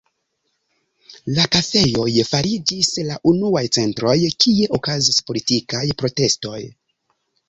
La kafejoj fariĝis la unuaj centroj, kie okazis politikaj protestoj.